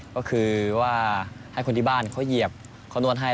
ก็คือว่าให้คนที่บ้านเขาเหยียบเขานวดให้